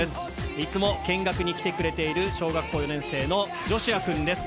いつも見学に来てくれている小学校４年生のジョシュアくんです。